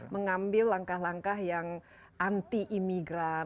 mengambil langkah langkah yang anti imigran